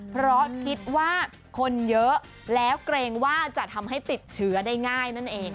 เพราะคิดว่าคนเยอะแล้วเกรงว่าจะทำให้ติดเชื้อได้ง่ายนั่นเอง